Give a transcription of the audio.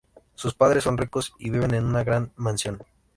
Sus padres son ricos, y vive en una gran mansión.